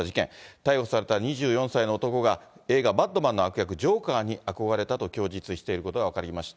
逮捕された２４歳の男が、映画、バットマンの悪役、ジョーカーに憧れたと供述していることが分かりました。